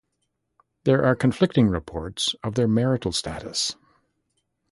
There are conflicting reports of their marital status.